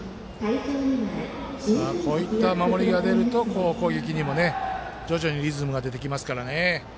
こういった守りが出ると攻撃にも、徐々にリズムが出てきますからね。